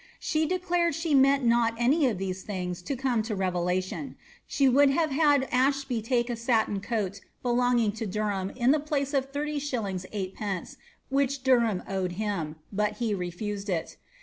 She declaied she meant not any of these things to come to revehuion. She would have had Asliby take a satiD coti belonging to Derham in the phice of 30s. 8d. which Derhaai owed hiflh but he refused it.